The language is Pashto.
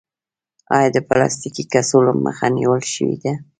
آیا د پلاستیکي کڅوړو مخه نیول شوې؟